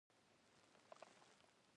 دا درمل د ډوډی مخکې خوړل کېږي